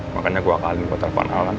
makanya gue akal ini buat telepon alan